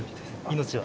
命は。